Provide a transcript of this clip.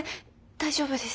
大丈夫です。